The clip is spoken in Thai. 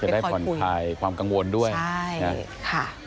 จะได้ผ่อนคลายความกังวลด้วยนะครับค่ะค่ะ